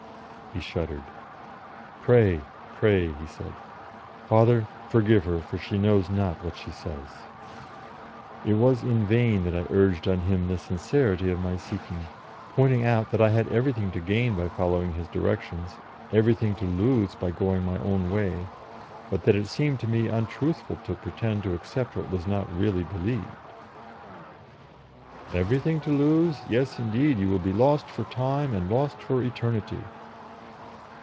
He shuddered. "Pray, pray," he said. "Father, forgive her, for she knows not what she says." It was in vain that I urged on him the sincerity of my seeking, pointing out that I had everything to gain by following his directions, everything to lose by going my own way, but that it seemed to me untruthful to pretend to accept what was not really believed. "Everything to lose? Yes, indeed. You will be lost for time and lost for eternity."